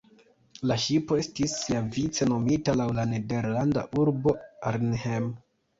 La ŝipo estis siavice nomita laŭ la nederlanda urbo Arnhem.